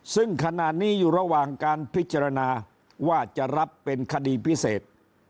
ซึ่งขณะนี้อยู่ระหว่างการพิจารณาว่าจะรับเป็นคดีพิเศษ